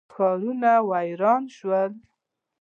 ښارونه ویران شول.